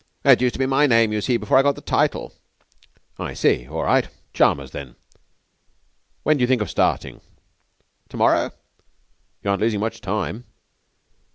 'It used to be my name, you see, before I got the title.' 'I see. All right. Chalmers then. When do you think of starting?' 'To morrow.' 'You aren't losing much time.